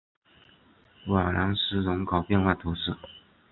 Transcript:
瓦朗斯人口变化图示